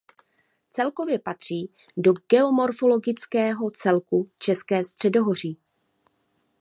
Celkově patří do geomorfologického celku České Středohoří.